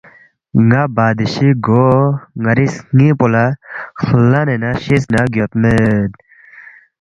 ”ن٘ا بادشی گو ن٘ری سنِنگ پو لہ خلنے ن٘ا شِس نہ گیودمید